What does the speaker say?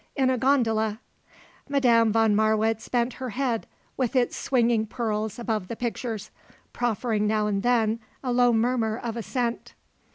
in a gondola. Madame von Marwitz bent her head with its swinging pearls above the pictures, proffering now and then a low murmur of assent.